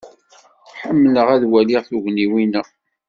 Ḥemmleɣ ad waliɣ tugniwin-a.